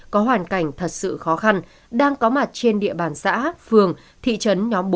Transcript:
có hoàn cảnh thật sự khó khăn đang có mặt trên địa bàn xã phường thị trấn nhóm bốn